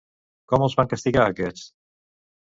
Com els van castigar aquests?